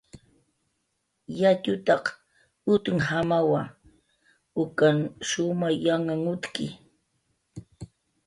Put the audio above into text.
Yatxutanq utnjamawa, ukan shumay yanhan utki